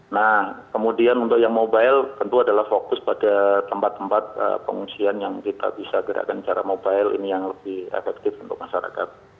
nah kemudian untuk yang mobile tentu adalah fokus pada tempat tempat pengungsian yang kita bisa gerakan secara mobile ini yang lebih efektif untuk masyarakat